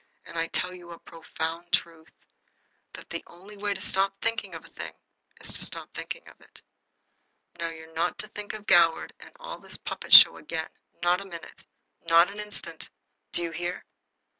And I tell you a profound truth: that the only way to stop thinking of a thing is to stop thinking of it. Now, you're not to think of Goward and all this puppet show again. Not a minute. Not an instant. Do you hear?"